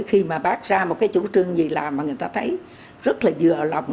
khi mà bác ra một cái chủ trương gì làm mà người ta thấy rất là dừa lòng